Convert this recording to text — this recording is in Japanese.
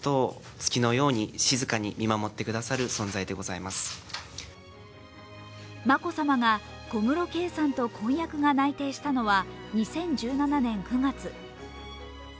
そもそも、事の発端は眞子さまが小室圭さんと婚約が内定したのは２０１７年９月。